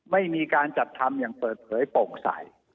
ไม่มีการจัดทำอย่างเปิดเผยโปร่งใส